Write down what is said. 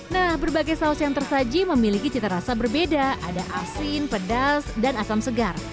nah berbagai saus yang tersaji memiliki cita rasa berbeda ada asin pedas dan asam segar